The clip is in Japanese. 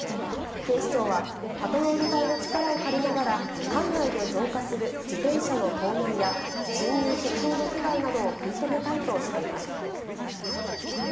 警視庁は、パトロール隊の力を借りながら、管内で増加する自転車の盗難や、侵入窃盗の被害などを食い止めたいとしています。